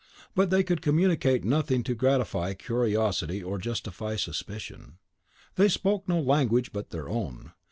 But they could communicate nothing to gratify curiosity or justify suspicion. They spoke no language but their own.